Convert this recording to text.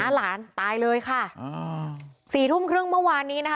หลานตายเลยค่ะอ่าสี่ทุ่มครึ่งเมื่อวานนี้นะคะ